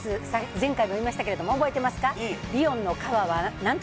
前回も言いましたけれども、覚えてますか？